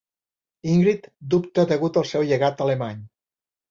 Ingrid dubta degut al seu llegat alemany.